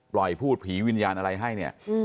ปล่อยพูดผีวิญญานณ์อะไรให้เนี่ย